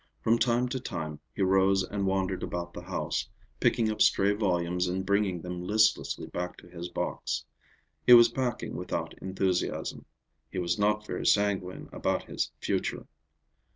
From time to time he rose and wandered about the house, picking up stray volumes and bringing them listlessly back to his box. He was packing without enthusiasm. He was not very sanguine about his future.